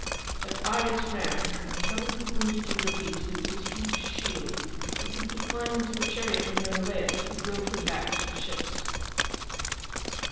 But Aias ran and covered the wounded Ulysses with his huge shield till he could climb into the chariot of Menelaus, who drove him back to the ships.